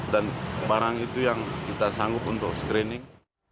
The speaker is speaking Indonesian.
dan barang itu yang kita sanggup untuk screening